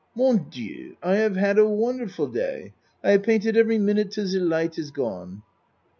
Mon Dieu! I have had a wonderful day! I have painted every minute till ze light is gone.